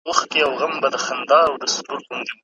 که تاسو په ځان تمرکز وکړئ نو بریالي به سئ.